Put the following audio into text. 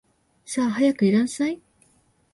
さあ、早くいらっしゃい